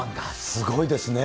すごいですね。